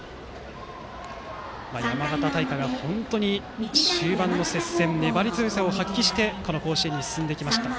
山形大会では本当に終盤の接戦で粘り強さを発揮してこの甲子園に進んできました。